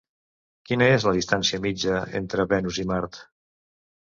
Quina és la distància mitja entre Venus i Mart?